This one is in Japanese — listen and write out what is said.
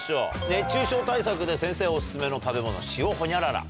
熱中症対策で先生お薦めの食べ物塩ホニャララ。